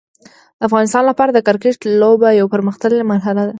د افغانستان لپاره د کرکټ لوبه یو پرمختللی مرحله ده.